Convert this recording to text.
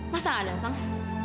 masa gak datang